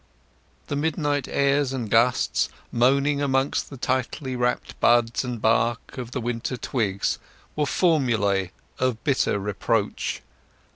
The midnight airs and gusts, moaning amongst the tightly wrapped buds and bark of the winter twigs, were formulae of bitter reproach.